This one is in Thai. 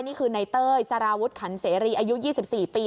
นี่คือในเต้ยสารวุฒิขันเสรีอายุ๒๔ปี